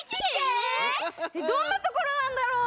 どんなところなんだろう？